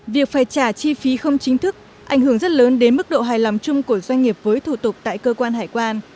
việc phải trả chi phí không chính thức ảnh hưởng rất lớn đến mức độ hài lòng chung của doanh nghiệp với thủ tục tại cơ quan hải quan